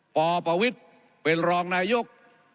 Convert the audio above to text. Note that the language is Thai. ปปวิทย์เป็นรองนายก